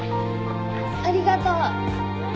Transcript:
ありがとう。